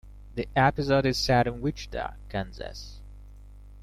The episode is set in Wichita, Kansas.